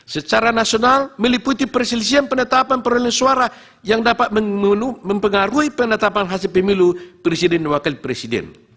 secara nasional meliputi perselisian penetapan peralihan suara yang dapat mempengaruhi penetapan hasil pemilu presiden dan wakil presiden